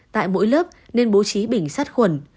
tại mỗi lớp nên bố trí bình sắt khuẩn